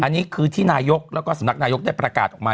อันนี้คือที่นายกแล้วก็สำนักนายกได้ประกาศออกมา